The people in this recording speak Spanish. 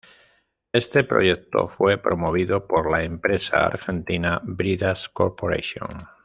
Este proyecto fue promovido por la empresa argentina Bridas Corporation.